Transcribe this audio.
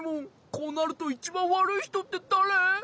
こうなるといちばんわるいひとってだれ？